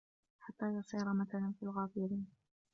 حَتَّى يَصِيرَ مَثَلًا فِي الْغَابِرِينَ